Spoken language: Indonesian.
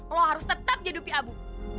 lo harus tetap jadi upi abu